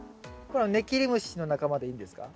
これはネキリムシの仲間でいいんですか？